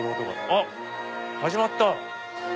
あっ始まった！